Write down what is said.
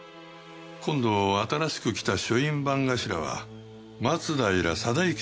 今度新しく来た書院番頭は松平定行様なのです。